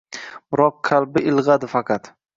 Biroq, qalbi ilg’adi faqat